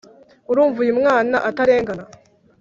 urumva uyu mwana atarengana